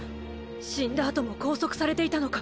死んだ後も拘束されていたのか。